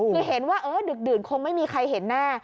คือเห็นว่าดึกดื่นคงไม่มีใครเห็นแน่